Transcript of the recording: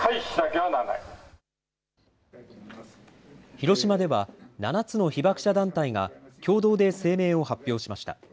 広島では、７つの被爆者団体が共同で声明を発表しました。